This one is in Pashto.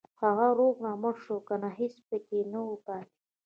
هغه روغ رمټ شو کنه هېڅ پکې نه وو پاتې.